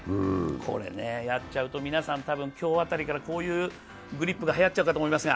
これやっちゃうと皆さん今日辺りからこういうグリップがはやっちゃうかと思いますが。